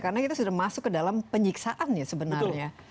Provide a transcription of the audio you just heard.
karena kita sudah masuk ke dalam penyiksaan sebenarnya